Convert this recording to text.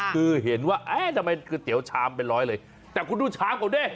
คือเห็นว่าเอ๊ะทำไมก๋วยเตี๋ยวชามเป็นร้อยเลยแต่คุณดูชามเขาดิ